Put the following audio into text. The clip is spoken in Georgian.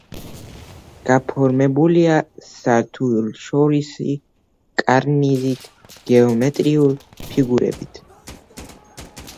გაფორმებულია სართულშორისი კარნიზით, გეომეტრიული ფიგურებით.